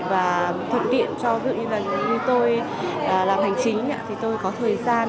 và thực hiện cho tự nhiên là như tôi làm hành chính thì tôi có thời gian